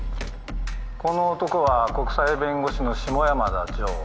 この男は国際弁護士の下山田譲